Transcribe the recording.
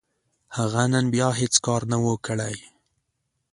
هغه نن بيا هيڅ کار نه و، کړی.